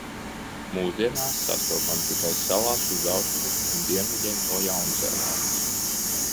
Mūsdienās sastopama tikai salās uz austrumiem un dienvidiem no Jaunzēlandes.